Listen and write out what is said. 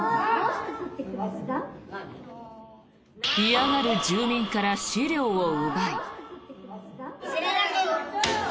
嫌がる住民から資料を奪い。